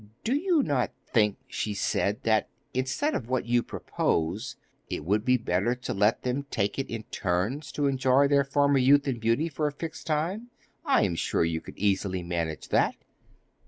'Do you not think,' she said, 'that instead of what you propose, it would be better to let them take it in turns to enjoy their former youth and beauty for a fixed time? I am sure you could easily manage that.